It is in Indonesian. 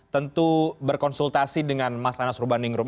tentu berkonsultasi dengan mas anas urbandingrum